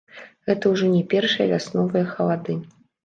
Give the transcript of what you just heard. Гэта ўжо не першыя вясновыя халады.